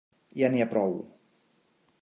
Ja n'hi ha prou!